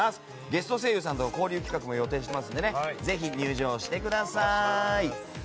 ゲスト声優さんとの交流企画も予定しているのでぜひ入場してください。